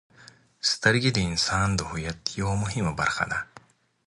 • سترګې د انسان د هویت یوه مهمه برخه ده.